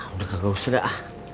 udah kagak usah dah